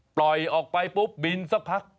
ปล่อยออกไปปุ๊บบินสักพัก